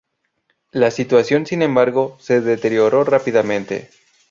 La situación sin embargo se deterioró rápidamente.